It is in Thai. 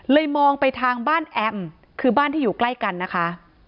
มองไปทางบ้านแอมคือบ้านที่อยู่ใกล้กันนะคะ